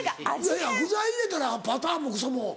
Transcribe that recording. いやいや具材入れたらパターンもクソも。